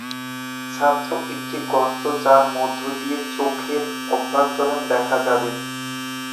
ছাত্র একটি গর্ত যার মধ্য দিয়ে চোখের অভ্যন্তর দেখা যাবে।